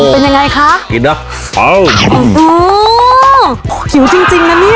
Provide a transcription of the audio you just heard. เป็นยังไงคะกินนะเอ้าหิวจริงจริงนะเนี่ย